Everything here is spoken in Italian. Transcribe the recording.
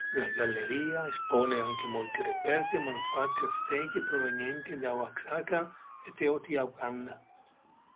La galleria espone anche molti reperti e manufatti aztechi provenienti da Oaxaca e Teotihuacan.